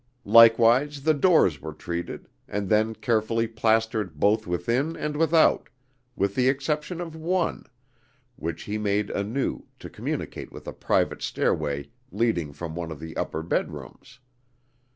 Likewise the doors were treated, and then carefully plastered both within and without, with the exception of one, which he made anew, to communicate with a private stairway leading from one of the upper bedrooms.